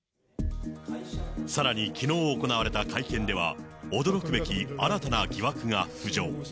さらにきのう行われた会見では、驚くべき新たな疑惑が浮上。